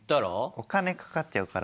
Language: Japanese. お金かかっちゃうから。